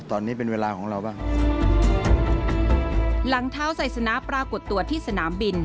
ตอนนี้เป็นเวลาของเราบ้างหลังเท้าไซสนาปรากฏตัวที่สนามบิน